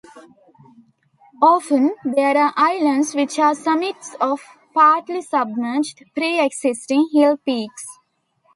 Often, there are islands, which are summits of partly submerged, pre-existing hill peaks.